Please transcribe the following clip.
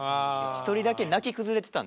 一人だけ泣き崩れてたんで。